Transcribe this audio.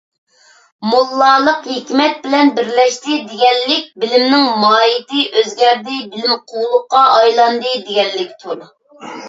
«موللا»لىق «ھېكمەت» بىلەن بىرلەشتى، دېگەنلىك بىلىمنىڭ ماھىيتى ئۆزگەردى، بىلىم قۇۋلۇققا ئايلاندى دېگەنلىكتۇر.